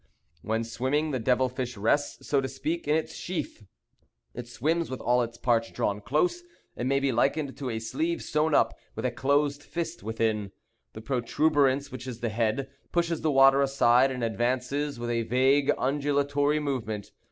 When swimming, the devil fish rests, so to speak, in its sheath. It swims with all its parts drawn close. It may be likened to a sleeve sewn up with a closed fist within. The protuberance, which is the head, pushes the water aside and advances with a vague undulatory movement.